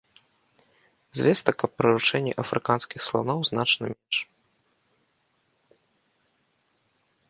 Звестак аб прыручэнні афрыканскіх сланоў значна менш.